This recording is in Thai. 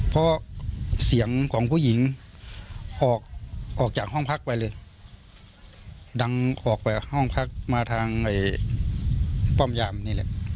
เพราะเสียงของผู้หญิงออกออกจากห้องพักไปเลยดังออกไปห้องพักมาทางป้อมยามนี่แหละ